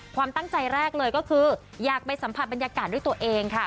ความตั้งใจแรกเลยก็คืออยากไปสัมผัสบรรยากาศด้วยตัวเองค่ะ